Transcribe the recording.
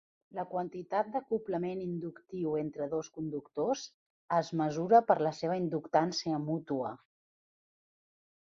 La quantitat d'acoblament inductiu entre dos conductors es mesura per la seva inductància mútua.